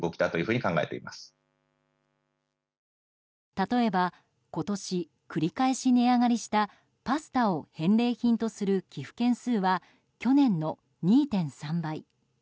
例えば、今年繰り返し値上がりしたパスタを返礼品とする寄付件数は去年の２．３倍。